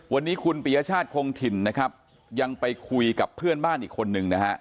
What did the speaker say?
วันนี้คุณปริยชาติคงถิ่นยังไปคุยกับเพื่อนบ้านอีกคนหนึ่ง